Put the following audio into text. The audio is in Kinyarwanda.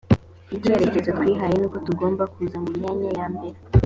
icyerekezo twihaye nuko tugomba kuza mu myanya ya mbere